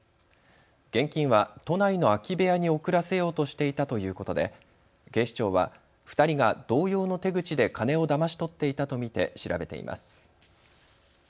現金は都内の空き部屋に送らせようとしていたということで警視庁は２人が同様の手口で金をだまし取っていたと見て調べています。